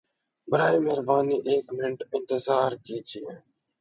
برائے مہربانی ایک منٹ انتظار کیجئیے!